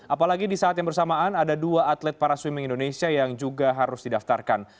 apalagi di saat yang bersamaan ada dua atlet para swimming indonesia yang juga harus didaftarkan